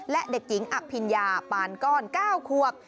และเด็กหญิงอภิญญาปานก้อน๙ควบ